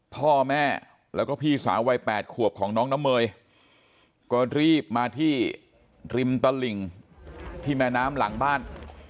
พ่อแม่แล้วก็พี่สาววัย๘ขวบของน้องน้ำเมยก็รีบมาที่ริมตลิ่งที่แม่น้ำหลังบ้าน